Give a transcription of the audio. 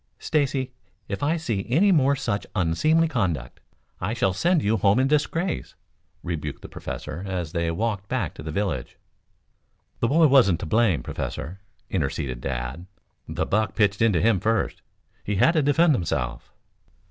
"Stacy, if I see any more such unseemly conduct I shall send you home in disgrace," rebuked the Professor as they walked back to the village. "The boy wasn't to blame, Professor," interceded Dad. "The buck pitched into him first. He had to defend himself."